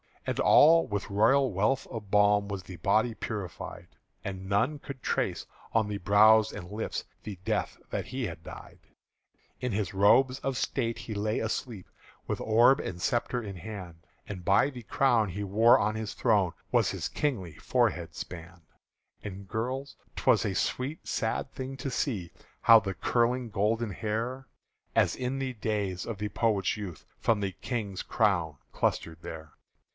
And all with royal wealth of balm Was the body purified; And none could trace on the brow and lips The death that he had died. In his robes of state he lay asleep With orb and sceptre in hand; And by the crown he wore on his throne Was his kingly forehead spann'd. And, girls, 't was a sweet sad thing to see How the curling golden hair, As in the day of the poet's youth, From the King's crown clustered there.